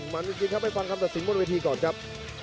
มันจริงครับไปฟังคำตัดสินบนเวทีก่อนครับ